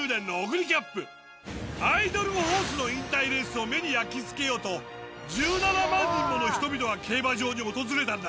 アイドルホースの引退レースを目に焼き付けようと１７万人もの人々が競馬場に訪れたんだ。